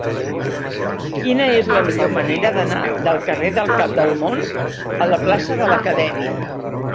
Quina és la millor manera d'anar del carrer del Cap del Món a la plaça de l'Acadèmia?